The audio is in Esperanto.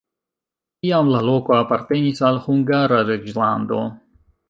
Tiam la loko apartenis al Hungara reĝlando.